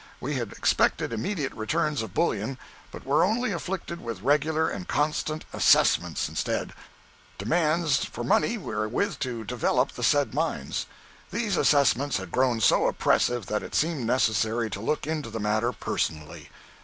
We had expected immediate returns of bullion, but were only afflicted with regular and constant "assessments" instead—demands for money wherewith to develop the said mines. These assessments had grown so oppressive that it seemed necessary to look into the matter personally.